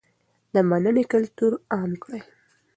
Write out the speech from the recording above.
د مننې کلتور عام کړئ.